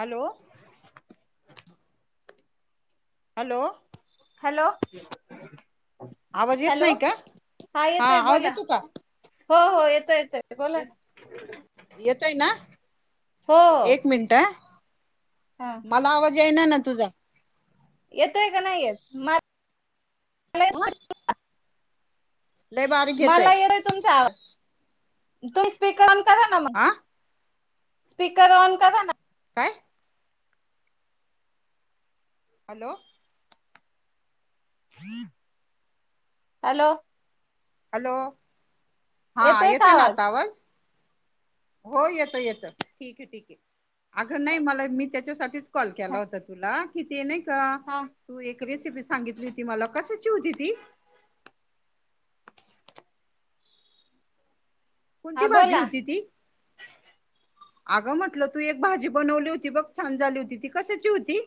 Hello, hello, hello आवाज येत hello, नाही का हा आवाज येतो हो हो, येतोय येतोय. बोला येत ना येतय ना. हो हो, मिनटं. हा, मला आवाज येईना ना तुझा. येतोय का नाही येत म''--'' ह [unintelligible] लय बारीक येतोय मला येतय तुमचा तुम् स्पीर ऑन करा ना मग. हा स्पीकर ऑन करा ना. काय. हॅलो? हॅलो? हॅलो? हा, येतोय आहे ना, आता आवाज? हो, येतोय, येतोय, ठीक आहे, ठीक आहे. आग नाही, मला मी त्याच्यासाठीच- कॉल केला होता तुला, कि ते नाही का? हा. तू एक रेसिपी सांगितली होती मला, कशाची होती ती? कोणती हा भाजी बोला होती ती? आगं म्हटलं, तू एक भाजी बनवली होती बघ, छान झाली होती, ती कशाची होती?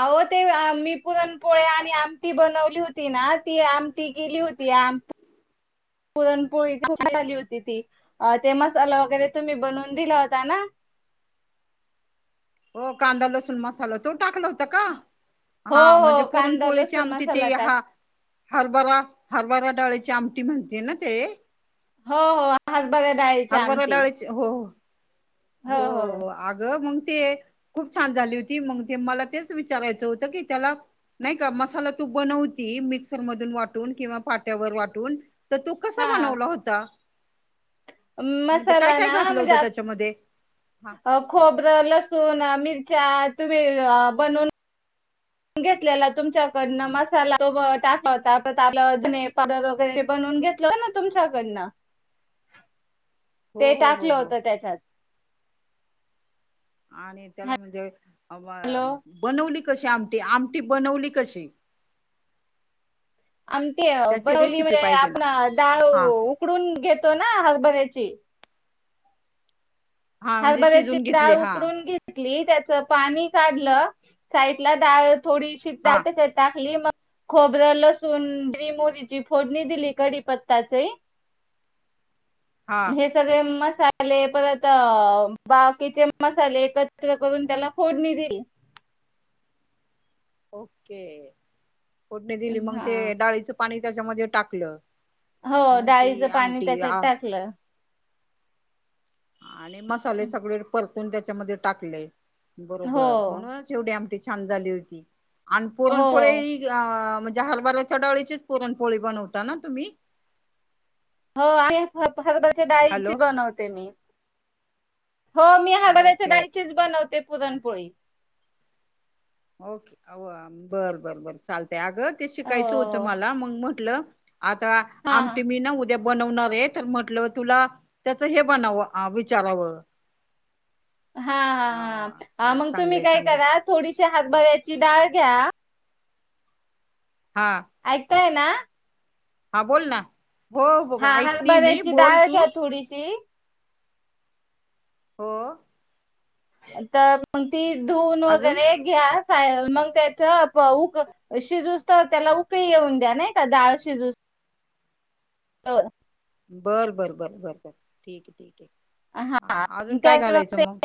आहो ते मी पुरणपोळ्या आणि आमटी बनवली होती ना, ती आमटी गेली होती आम- [inaudible] पुरणपोळी [unintelligible] झाली होती ती. अ ते मसाला वगैरे, तुम्ही बनवून दिला होता ना? हो कांदा, लसून, मसाला- तो टाकला होता का? हो हा म्हणजे हो कांदा पुरणपोळीची लसूण आमटी मसाला ती टाक हा- हारभरा, हारभरा डाळीची आमटी म्हणते ना ते? हो, हो, हारभऱ्या डाळीची हरभरा आमटी. डाळीची हो, हो, हो आगं मग ते- खूप छान झाली होती, मग ते मला तेच विचारायचं होतं की त्याला- नाही का, मसाला तू बनवती मिक्सर मधून वाटून किंवा पाट्यावर वाटून- तर तो कसा हा बनवला होता? म्हणजे काय, मसाला काय ना घातलं होतं त्याच्यामध्ये? हा. खोबर, लसूण, मिरच्या तुम्ही बनून- घेतलेला तुमच्याकडनं, मसाला [unintelligible] धने पावडर वगैरे बनवून घेत- [unintelligible] ना तुमच्याकडन [inaudible] हो ते हो हो टाकलं हो होत त्याच्यात. आणि त्याला म्हणजे हॅलो [unintelligible] बनवली कशी आमटी? आमटी बनवली कशी? आमटी अ त्याची बनवली रेसिपी म्हणजे पाहिजे ना आपणा डाळ हा उकडून घेतो ना, हसभऱ्याची. हा म्हणजे हरभऱ्याची शिजून घेतली डाळ हा उकडून घेत- ली त्याच पाणी काढलं, साईडला डाळ थोडीशी हा डा- त्याच्यात- टाकली, मग- खोबरं, लसून, मोहरीची फोडणी दिली कडीपत्ताची. हा. हे सगळे मसाले परत- अ बाकीचे मसाले एकत्र करून त्याला फोडणी दिली. ओके. फोडणी दिली, मग ते हा डाळीचं पाणी त्याच्यामध्ये टाकलं. हो, मग ती डाळीचं पाणी आमटी त्याच्यात आ टाकलं. आणि मसाले सगळे परतून त्याच्यामध्ये टाकले हो बरोबर, म्हणूनच- एवढी आमटी छान झाली होती आणि हो पुरणपोळी- त्या म्हणजे हरभऱच्या डळीचीच पुरणपोळी बनवता ना तुम्ही? हो आणि हाय हे हरभऱ्या हॅलो डाळीची बनवते मी. हो, मी हरभऱ्या ओके ओके डाळीचीच बनवते पुरणपोळी. ओके. बरं, बरं, बरं, चालतय आग ते शिकायचं होतं हो मला, मग म्हटलं- आता हा आमटी मी नव्ह- ते बनवणार आहे तर म्हंटलं तुला त्याच हे बनावं विचारावं हा हा हा ह मग तुम्ही चांगलंय काय चांगलंय करा थोडीशी हारभऱ्याची डाळ घ्या. हा ऐकताय ना? हा बोल ना हा हो ऐकती मी हरभऱ्याची बोल डाळ तु घ्या थोडीशी हो तर मग ती धून अजून वगैरे घ्या मग त्याच शिजूस तर त्याला उकळी येऊन द्या नाही का डाळ शिजूस तवर बरं बरं बरं बरं बरं ठीक आहे. हा अजून काय घालायचं मग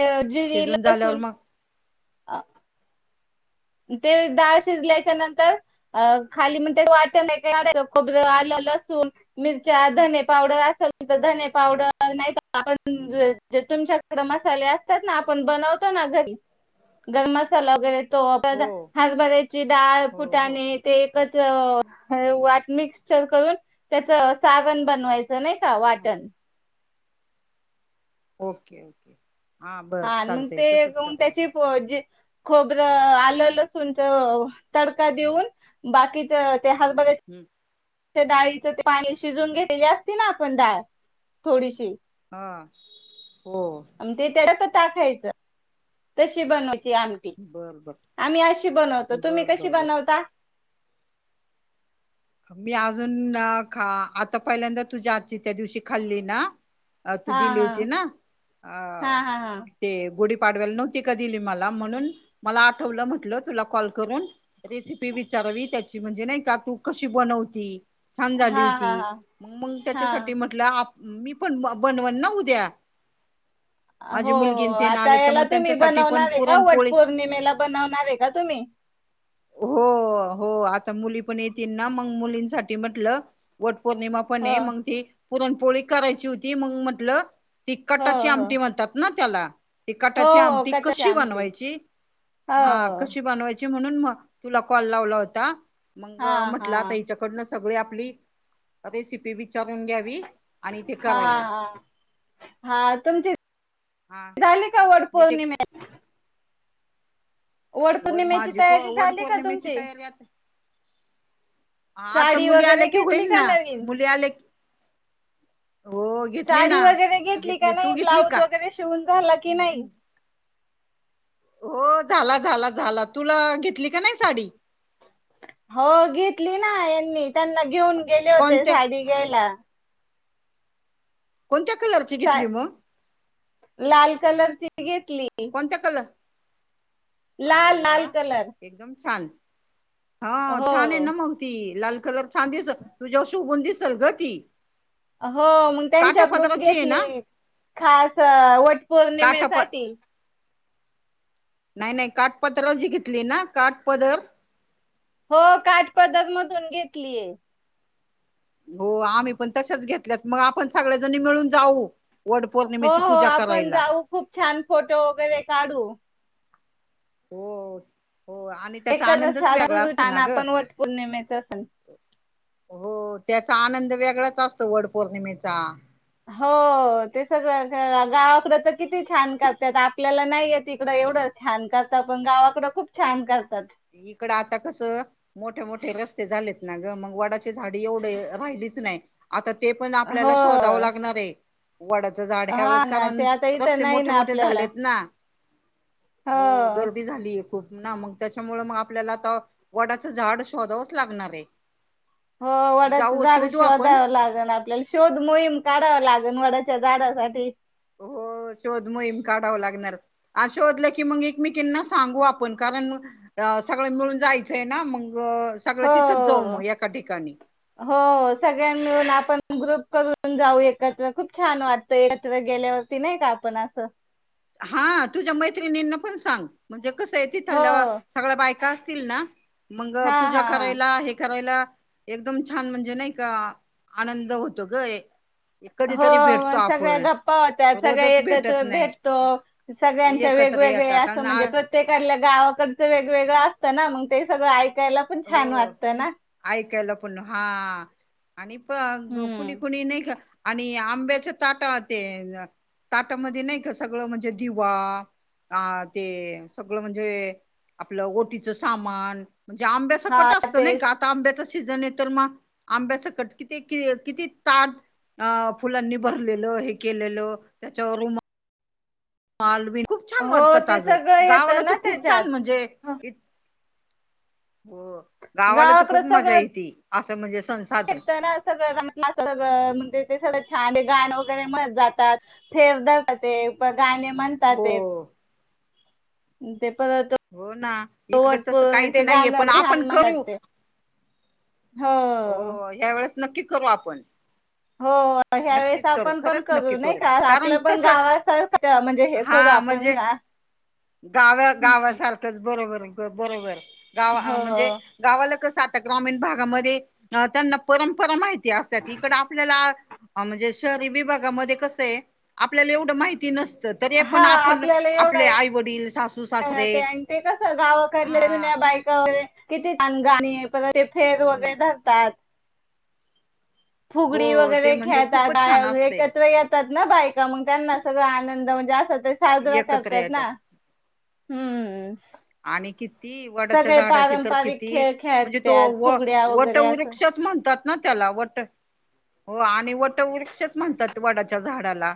शिजून झाल्यावर मग? आ ते डाळ शिजल्याच्या नंतर अ खाली [unintelligible] वाट नाही का खबर आले लसूण. मिरच्या धने पावडर असेल तर धने पावडर नाही का आपण जे तुमच्याकडे मसाले असतात ना आपण बनवतो ना घरी गरम मसाला वगैरे तो हा बा हो हरभरे ची डाळ हो हो फुटाणे ते एकच वाट मिक्सचर करून त्याचं सारण बनवायचं नाही का हं, वाटण ओके ओके हा बरं चालतंय तसंच करते. हो जे खोबर आलं लसूणच तडका देऊन बाकीच ते हरभरे हम् डाळीच पाणी शिजून घेतलेले असती ना आपण डाळ थोडीशी हा हो ते त्याच्याच टाकायचं तशी बनवायची आमटी. बर बर आम्ही अशी बनवतो तुम्ही बर कशी बर बर बनवता? मी अजून खा आता पहिल्यांदा तुझ्या आजची त्या दिवशी खाल्ली ना अ तू हा दिली होती ना हा अ हा हा ते गुढीपाडव्याला नव्हती का दिली मला म्हणून मला आठवलं म्हटलं तुला कॉल करून रेसिपी विचारावी त्याची म्हणजे नाही का तू कशी बनवती छान हा झाली होती हा हा हा म मग हा त्याच्यासाठी म्हटलं मी पण बनवन ना उद्या. हो माझी मुलगीन ते ना आता आले तर याला मग तुम्ही त्यांच्यासाठी पण बनवणार आहे का पुरणपोळी वटपौर्णिमेला बनवणार आहे का तुम्ही? हो हो आता मुली पण येतील ना मग मुलींसाठी म्हटलं वटपौर्णिमा पण हो मग ती पुरणपोळी करायची होती मग म्हटलं ति हो कटाची हो आमटी म्हणतात ना त्याला. ति हो कटाची हो आमटी कटाची कशी आमटी बनवायची हो हा हो कशी बनवायची म्हणून मग म्हण तुला कॉल लावला होता मग हा हा म्हटलं आता हिच्याकडूनच सगळी आपली रेसिपी विचारून घ्यावी. आणि ते हा करावं हा हा तुमची हा झाली का मी ते वटपौर्णिमे वट वड पौर्णिमेची माझी प तयारी झाली का वटपौर्णिमेची तुमची तयारी आ हा आता साडी मुली आल्या वगैरे की घेतली होईल का ना नवीन? मुली आले की हो घेतली साडी ना वगैरे का घेतली नाही? तु घेतली ब्लाऊज का? वगैरे शिवून झाला की नाही? हो झाला झाला झाला तुला घेतली का नाही साडी? हो घेतली ना यांनी त्यांना घेऊन गेले होते कोणत्या साडी घ्यायला. कोणत्या कलरची सा घेतली मग? लाल कलरची घेतली. कोणता कलर, अरे लाल वा लाल कलर एकदम छान. हा छान आहे हो. ना मग ती लाल कलर छान दिसल तुझ्यावर शोभून दिसल ग ती. हो मग त्यांच्याकडून काठापदराची आहे घेतली ना खास काठाप वटपौर्णिमेसाठी. नाही नाही काठपदरच घेतली ना काठपदर? हो काठपदर मधून घेतलीय. हो आम्ही पण तशाच घेतल्यात मग आपण सगळ्याजणी मिळून जाऊ वड हो पौर्णिमेची हो पूजा आपण करायला जाऊ खूप छान फोटो वगैरे काढू. हो हो आणि. त्याचा एक आनंदच वेगळा असतो ना [unintelligible] ग आपण वट पौर्णिमेचा सण हो त्याचा आनंद वेगळाच असतो वड पौर्णिमेचा. हो ते सगळं गावाकडं तर किती छान करत्यात आपल्याला नाही येतं तिकडं एवढंच. छान करतात पण गावाकड खूप छान करतात. इकडं आता कसं. मोठे मोठे रस्ते झालेत ना ग मग वडाची झाडी एवढे राहिलीच नाही. आता ते पण हो आपल्याला शोधावं लागणार आहे. वडाचं झाड ह्या हा वेळेस ना कारण ते आता इथं रस्ते नाही मोठे ना मोठे आपल्याला झालेत ना. हो गर्दी झालीय खूप ना मग त्या च्यामुळे मग आपल्याला आता वडाचं झाड शोधावंच लागणार आहे. हो वडाच जाऊ झाड शोधू आपण शोधावं लागन आपल्याला. शोध मोहीम काढाव लागेल वडाच्या झाडासाठी. हो शोध मोहीम काढाव लागणार. अं शोधलं की की मग एकमेकींना सांगू आपण कारण अ सगळं मिळून जायचंय ना मग सगळं हो तिथंच जाऊ मग एका ठिकाणी. हो सगळ्यां मिळून आपण ग्रुप करून जाऊ एकत्र खूप छान वाट ते एकत्र गेल्यावरती नाही का आपण असं. हा तुझ्या मैत्रिणींना पण सांग. म्हणजे कसं आहे हो तिथल्या सगळ्या बायका असतील ना. मंग हा पूजा हा हा करायला हे करायला. एकदम छान म्हणजे नाही का आनंद होतो ग. हो कधीतरी भेटतो मग सगळ्या आपण गप्पा होतात सगळे रोजच एकत्र भेटत नाही भेट सगळ्यांच्या एकत्र वेगवेगळ्या येतात अस आणि म्हणजे आ- प्र ते काल्या गावाकडचं वेगवेगळं असतं ना मग ते सगळं ऐकायला पण हो छान वाटतं ना ऐकायला पण हा. आणि प कुणी हम्म कुणी नाही का आणि, आंब्याच्या ताट ते ताटामध्ये नाही का सगळं म्हणजे दिवा अ ते सगळं म्हणजे आपलं ओटीचं सामान. ते हा आंब्यासकट असतं नाही तेच का आता आंब्याचा सीझन आहे तर मग आंब्याचा सकट किती किती ताट, अ फुलांनी भरलेलं हे केलेलं त्याच्यावर रु माल विण खूप छान हो वाटतात ते अगं सगळं गावाला येतं ना तर खूप त्याच्यात छान म्हणजे ह, हो गावाला तर खूप गावाकडं मजा येते असं म्हणजे सं हे त्यांना सगळं जमा. म् [unintelligible] हणजे ते सगळं छान गाण वगैरे जातात फेर जात ते, गाणे म्हणतात हो ते. ते परत हो ना [inaudible] इकडे चवट तसं काहीच ते गा नाहीये पण आपण लहान म्हणत करू ते. हो ह्या वेळेस नक्की करू आपण, हो ह्या वेळेस नक्कीच करू आपण पण खरंच नक्की करू नाही का कारण आपल्या पण तस गावासारख. त म्हणजे हे करू आपण गा ''--'' गाव्या गावासारखं. त बरोबर बरोबर गावा आ म्हणजे हो गावाला कस आता ग्रामीण भागामध्ये, अ त्यांना परंपरा माहिती असतात इकड आपल्याला, ह म्हणजे शहरी विभागामध्ये कसं आहे आपल्याला एवढं माहिती नसत. तरी हा पण आपण आपले आई वडील सासू सासरे. अ ते आणि ते कस गावाकडल्या हा जुन्या बायका वगैरे किती छान गाणी परत. ते फेर जुन्या वगैरे धरतात. फुगडी हो ते वगैरे म्हणजे खेळतात खूपच टाळ्या छान वगैरे असते एकत्र येता''--'' ता ना बायका मग त्यांना सगळ आनंद म्हणजे असं ते साजरा एकत्र करतात येतात ना. हम्म. आणि की. ती वडाच्या सगळे झाडाची तर पारंपरिक किती खेळ म्हणजे तो खेळतात व फुगड्या वगैरे असं वटवृक्षच म्हणतात. ना त्याला वट हो आणि वटवृक्षच म्हणतात वडाच्या झाडाला.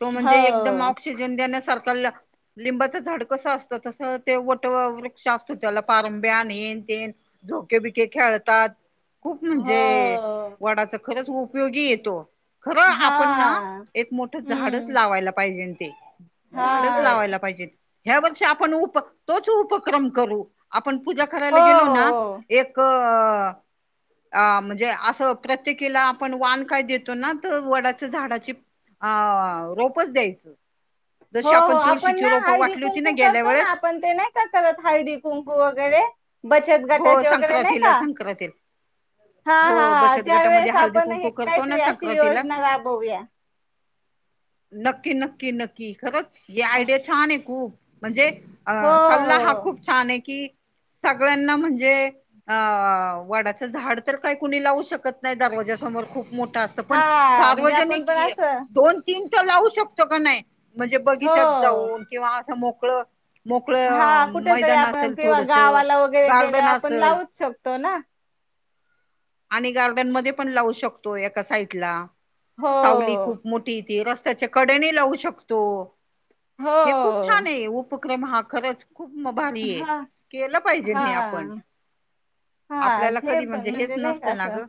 तो म्हणजे हो एकदम ऑक्सिजन देण्यासारखा ला लिंबाचं झाड कसं असतं तसं. ते वट वृक्ष असतो त्याला पारंब्या आणि येन ते येन झोके बिके खेळतात. खूप म्हणजे हो वडाच खरंच उपयोगी येतो. खरं आपण ना हा एक मोठं झाडच हम्म लावायला पाहिजे ते. हा झाडच लावायला पाहिजेत ह्या वर्षी आपण उप तोच उपक्रम करू. आपण पूजा हो करायला गेलो ना हो एक. अ म्हणजे असं प्रत्येकीला आपण वान काय देतो ना तर वडाच झाडाची. अ रोपच द्यायचं. हो जशी हो, आपण ना तुळशीची रोपं हळदी वाटली होती ना कुंकू गेल्या करतो ना वेळेस आपण. ते नाही का करत हळडी कुंकू वगैरे. बचत हो गटाचे वगैरे नाही का. संक्रांतीला संक्रांतीला हा हा हो हा, बचत गटामध्ये त्यावेळेस हळदी आपण हे कुंकू करतो काहीतरी ना अशी संक्रांतीला योजना राबवूया. नक्की नक्की नक्की खरंच हे आयडिया छान आहे खूप. म्हणजे अ हो सल्ला हा खूप छान आहे की सगळ्यांना म्हणजे. अ वाडाचं झाड तर काही कुणी लावू शकत नाही दरवाज्या समोर खूप मोठा अस''--'' पण हा म्हणजे आपण सार्वजनिक पण ए असं दोन तीन तर लावू शकतो का नाही. म्हणजे हो बगीचात जाऊन किंवा असं मोकळ. मोकळ हा कुठेतरी मैदान आपण असेल किंवा थोडसं. गावाला वगैरे गेले आपण लावूच शकतो ना. आणि गार्डन मध्ये पण लावू शकतो एका साइड ला हो सावली खूप. मोठी ती रस्त्याच्या कडेने लावू शकतो हो हे खूप छान आहे उप ''--'' उपक्रम हा खरंच खूप भारी आहे हा केलं पाहिजे ते आपण. हा हा, आपल्याला ते कधी पण हेच म्हणजे नाही का नसतं ना असं. ग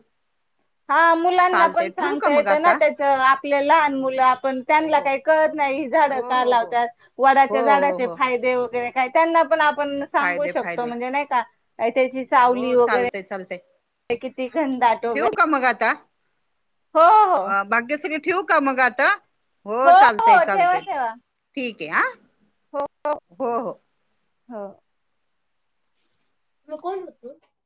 हा मुलांना चालतय पण ठेवू का सांगता मग येतं ना आता त्याच आपले लहान मुलं आपण हो त्यांना हो काही. कळत नाही ही झाड हो का हो हो लावतात हो वडाच्या हो झाडाचे हो. फायदे वगैरे काय त्यांना पण आपणच. सांगू फायदे शकतो फायदे म्हणजे नाय का त्याची हो चालतय चालतय. ते किती घन दात ठेवू वैगे का मग आता हो अ भाग्यश्री ठेवू का मग आता? हो चालतय हो ठेवा चालतय ठेवा ठीकए हा हो हो. हा. म कोण होत?